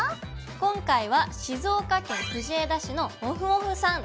今回は静岡県藤枝市のもふもふさん